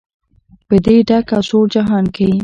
په دې ډک او سوړ جهان کې.